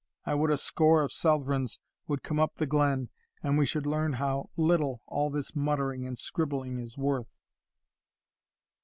I would a score of Southrons would come up the glen, and we should learn how little all this muttering and scribbling is worth."